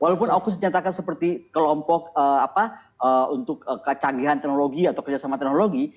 walaupun aukus dinyatakan seperti kelompok untuk kecanggihan teknologi atau kerja sama teknologi